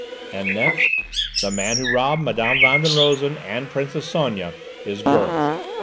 And next, the man who robbed Mme. Van den Rosen and Princess Sonia is Gurn.